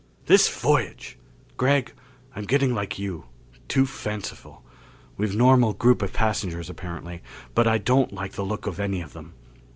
"This voyage! Gregg, I'm getting like you too fanciful. We've a normal group of passengers apparently, but I don't like the look of any of them.